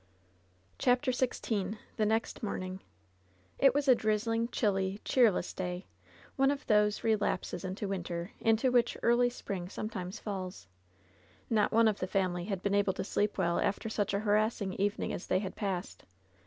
CHAPTEE XVI THE NEXT MOBlOlira It was a drizzling, chilly, cheerless day — one of those relapses into winter into whidi early spring sometimes falls. LOVE'S BITTEREST CUP 99 Not one of the family had been able to sleep well after such a harassing evening as they had passed.